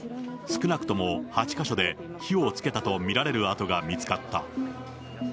少なくとも８か所で火をつけたと見られる跡が見つかった。